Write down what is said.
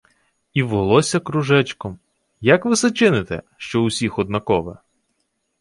— І волосся кружечком... Як ви се чините, що в усіх однакове!